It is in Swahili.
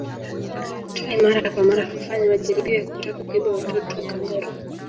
Tai mara kwa mara hufanya majaribio ya kutaka kuiba watoto wa kangaroo